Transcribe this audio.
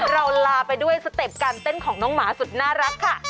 ลาไปด้วยสเต็ปการเต้นของน้องหมาสุดน่ารักค่ะ